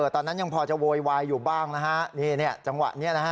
ตอนนั้นพอจะโวยวายอยู่บ้างนะฮะ